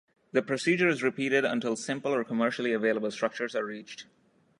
This procedure is repeated until simple or commercially available structures are reached.